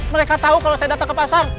mereka tahu kalau saya datang ke pasar